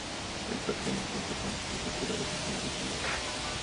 El parque no cuenta con infraestructura o personal del Conaf.